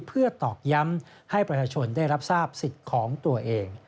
เพื่อตอกย้ำให้ประชาชนได้รับทราบสิทธิ์ของตัวเอง